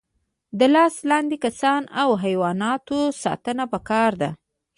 د لاس لاندې کسانو او حیواناتو ساتنه پکار ده.